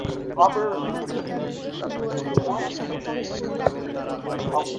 ডাক্তারিতে আমার স্বামীরও প্রতিপত্তি বাড়িতে লাগিল।